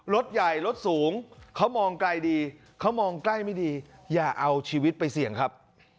รถใหญ่รถสูงเขามองไกลดีเขามองใกล้ไม่ดีอย่าเอาชีวิตไปเสี่ยงครับ